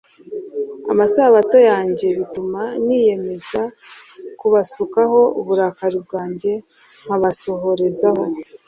amasabato yanjye bituma niyemeza kubasukaho uburakari bwanjye nkabasohorezaho